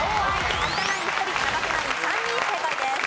有田ナイン１人生瀬ナイン３人正解です。